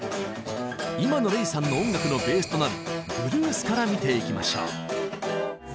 今のＲｅｉさんの音楽のベースとなるブルースから見ていきましょう。